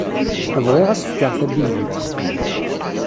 Bɣiɣ ad s-fkeɣ tabizutt.